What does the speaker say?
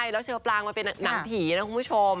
แล้วเชอปลางมันเป็นหนังผีนะคุณผู้ชม